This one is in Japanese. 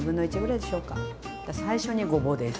最初にごぼうです。